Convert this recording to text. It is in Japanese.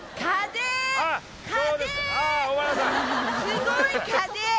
すごい風。